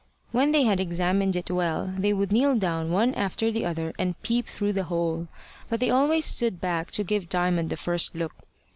When they had examined it well, they would kneel down one after the other and peep through the hole; but they always stood back to give Diamond the first look.